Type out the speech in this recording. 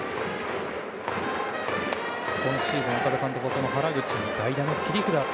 今シーズン岡田監督は、原口が代打の切り札